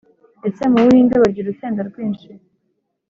Ese mubuhinde barya urusenda rwinshi?